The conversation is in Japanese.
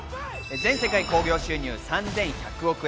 全世界興行収入３１００億円。